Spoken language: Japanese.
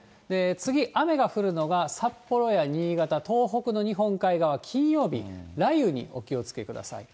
次、雨が降るのが札幌や新潟、東北の日本海側、金曜日、雷雨にお気をつけください。